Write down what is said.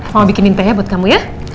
mama bikinin tehnya buat kamu ya